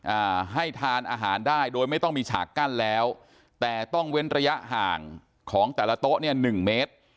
อ่าให้ทานอาหารได้โดยไม่ต้องมีฉากกั้นแล้วแต่ต้องเว้นระยะห่างของแต่ละโต๊ะเนี่ยหนึ่งเมตร